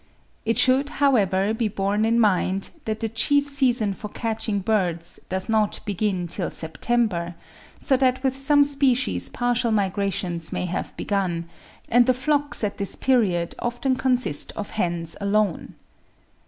It should, however, be borne in mind, that the chief season for catching birds does not begin till September, so that with some species partial migrations may have begun, and the flocks at this period often consist of hens alone.